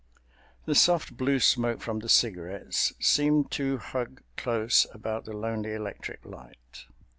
The soft blue smoke from the cigarettes seemed to hug close about the lonely electric light.